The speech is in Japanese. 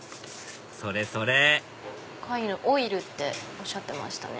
それそれ貝のオイルっておっしゃってましたね。